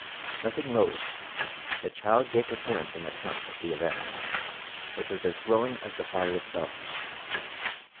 Nothing loath, the child gave her parents an account of the event, which was as glowing as the fire itself.